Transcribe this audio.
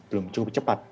belum cukup cepat